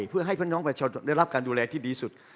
เพื่อให้พี่น้องประชาชนได้รับการดูแลที่ดีสุด